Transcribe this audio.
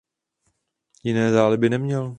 Jiné záliby neměl.